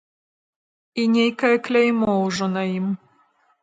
І нейкае кляймо ўжо на ім.